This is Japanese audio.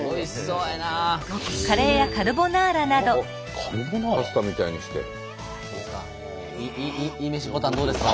いいめしボタンどうですか？